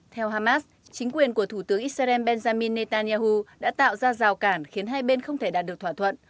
theo hamas chính quyền của thủ tướng israel benjamin netanyahu đã tạo ra rào cản khiến hai bên không thể đạt được thỏa thuận